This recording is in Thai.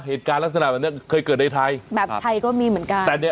เหตุการณ์ลักษณะแบบเนี้ยเคยเกิดในไทยแบบไทยก็มีเหมือนกันแต่เนี้ย